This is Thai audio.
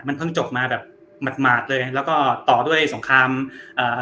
มันเพิ่งจบมาแบบหมาดหมาดเลยแล้วก็ต่อด้วยสงครามเอ่อ